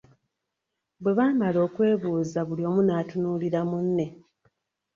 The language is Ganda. Bwe baamala okwebuuza buli omu n'atunuulira munne.